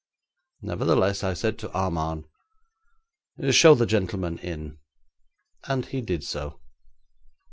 Nevertheless, I said to Armand: 'Show the gentleman in,' and he did so.